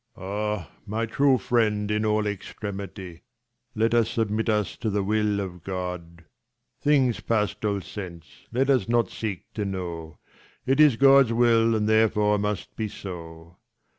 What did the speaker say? Ah, my true friend in all extremity, Let us submit us to the^will of God : Things past all sense, let us not seek to know ; It is God's will, and therefore must be so.